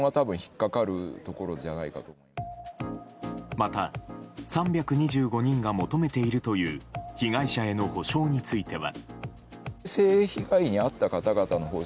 また、３２５人が求めているという被害者への補償については。